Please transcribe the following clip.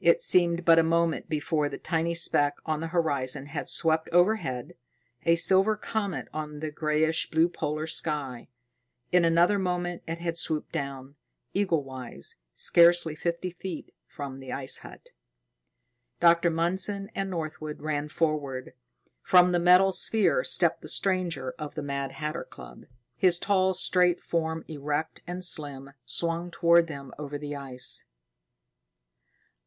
It seemed but a moment before the tiny speck on the horizon had swept overhead, a silver comet on the grayish blue polar sky. In another moment it had swooped down, eaglewise, scarcely fifty feet from the ice hut. Dr. Mundson and Northwood ran forward. From the metal sphere stepped the stranger of the Mad Hatter Club. His tall, straight form, erect and slim, swung toward them over the ice.